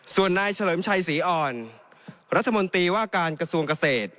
ส่วนนายเฉลิมชัยศรีอ่อนรัฐมนตรีว่าการกระทรวงเกษตร